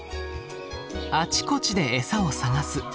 あちこちで餌を探す。